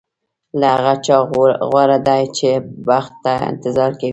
له هغه چا غوره دی چې بخت ته انتظار کوي.